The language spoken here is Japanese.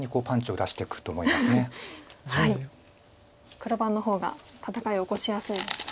黒番の方が戦いを起こしやすいですね。